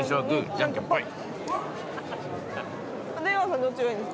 じゃんけんぽい！